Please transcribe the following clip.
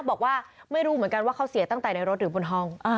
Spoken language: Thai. บอกว่าไม่รู้เหมือนกันว่าเขาเสียตั้งแต่ในรถหรือบนห้อง